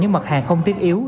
những mặt hàng không tiết yếu